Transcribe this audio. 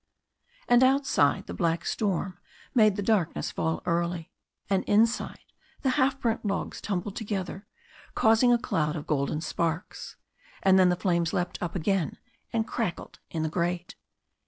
And outside the black storm made the darkness fall early. And inside the half burnt logs tumbled together, causing a cloud of golden sparks, and then the flames leapt up again and crackled in the grate.